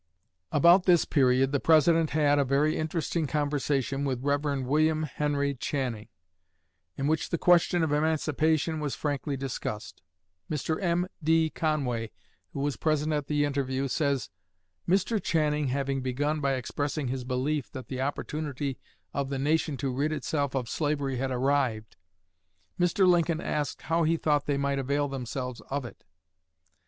About this period the President had a very interesting conversation with Rev. William Henry Channing, in which the question of emancipation was frankly discussed. Mr. M.D. Conway, who was present at the interview, says: "Mr. Channing having begun by expressing his belief that the opportunity of the nation to rid itself of slavery had arrived, Mr. Lincoln asked how he thought they might avail themselves of it.